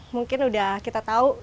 mungkin udah kita tahu